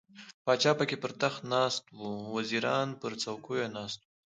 پاچا پکې پر تخت ناست و، وزیران پر څوکیو ناست وو.